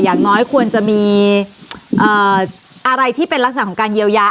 อย่างน้อยควรจะมีอะไรที่เป็นลักษณะของการเยียวยา